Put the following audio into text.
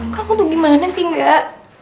kamu tuh gimana sih gak